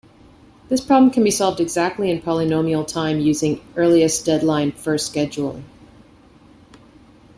This problem can be solved exactly in polynomial time using earliest deadline first scheduling.